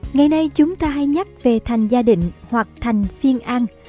ngày nay chúng ta hay nhắc về thành gia định hoặc thành phiên an